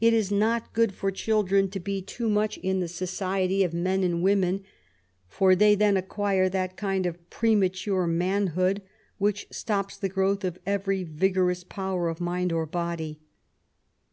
It is not good for children to be too much in the society of men and women ; for they then *^ acquire that kind of premature manhood which stops the growth of every vigorous power of mind or body."